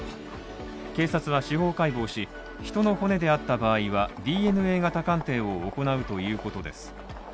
警察は司法解剖し、人の骨であった場合は、ＤＮＡ型鑑定を行うということです。